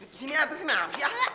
di sini atas ini apa sih